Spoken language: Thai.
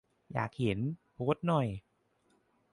อยากเห็น โพสต์หน่อย